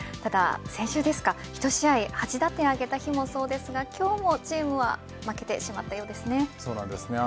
先週でしたか、１試合８打点を挙げた日もそうですが今日もチームは負けてしまったようですね。